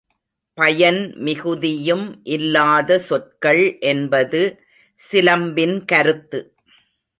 பயன் மிகுதியும் இல்லாத சொற்கள் என்பது சிலம்பின் கருத்து.